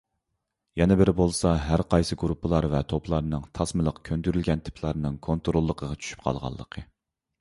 يەنە بىرى بولسا، ھەرقايسى گۇرۇپپا ۋە توپلارنىڭ تاسمىلىق كۆندۈرۈلگەن تىپلارنىڭ كونتروللۇقىغا چۈشۈپ قالغانلىقى.